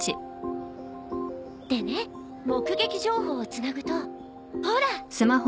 でね目撃情報をつなぐとほら。